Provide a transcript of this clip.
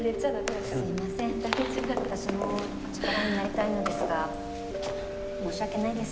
私も力になりたいのですが申し訳ないです。